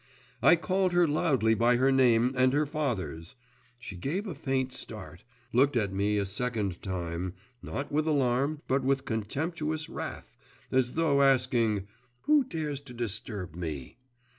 I called her loudly by her name and her father's; she gave a faint start, looked at me a second time, not with alarm, but with contemptuous wrath, as though asking 'Who dares to disturb me?